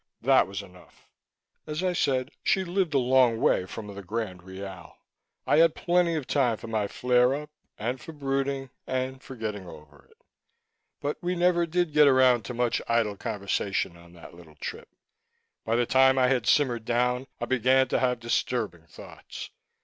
That was enough. As I said, she lived a long way from the Gran Reale. I had plenty of time for my flare up, and for brooding, and for getting over it. But we never did get around to much idle conversation on that little trip. By the time I had simmered down, I began to have disturbing thoughts.